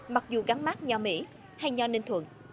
mặc dù gắn mát nho mỹ hay nho ninh thuận